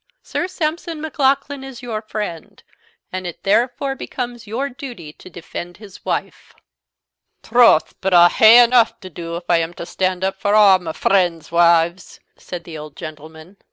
Sir Sampson Maclaughlan is your friend, and it therefore becomes your duty to defend his wife." "Troth, but I'll hae aneugh to do if I am to stand up for a' my friends' wives," said the old gentleman.